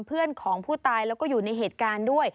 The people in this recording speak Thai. เพื่อนของผู้ตายแล้วก็อยู่ในเหตุการณ์ด้วย